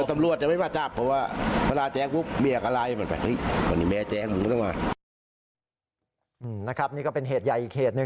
มันแบบเฮ้ยวันนี้แม่แจ๊งมันไม่ต้องมา